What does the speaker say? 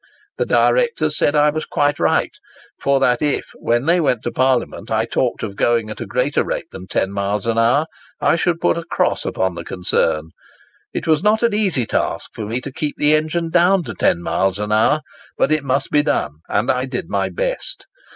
The directors said I was quite right; for that if, when they went to Parliament, I talked of going at a greater rate than 10 miles an hour, I should put a cross upon the concern. It was not an easy task for me to keep the engine down to 10 miles an hour, but it must be done, and I did my best.